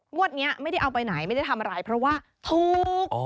งวดนี้ไม่ได้เอาไปไหนไม่ได้ทำอะไรเพราะว่าถูก